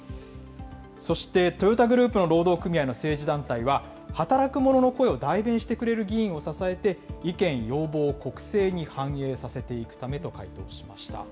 そして、トヨタグループの労働組合の政治団体は、働く者の声を代弁してくれる議員を支えて、意見、要望を国政に反映させていくためと回答しました。